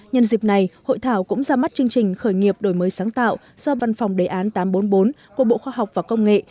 nhân dịp này hội thảo cũng ra mắt chương trình khởi nghiệp đổi mới sáng tạo do văn phòng đề án tám trăm bốn mươi bốn của bộ khoa học và công nghệ